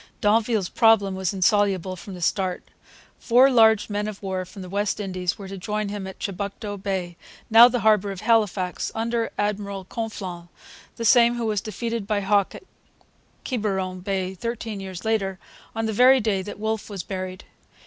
D'Anville's problem was insoluble from the start, Four large men of war from the West Indies were to join him at Chibucto Bay, now the harbour of Halifax, under Admiral Conflans, the same who was defeated by Hawke in Quiberon Bay thirteen years later, on the very day that Wolfe was buried.